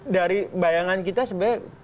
dari bayangan kita sebenarnya